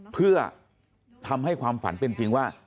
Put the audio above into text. เพื่อทำให้ความฝันเป็นจริงว่า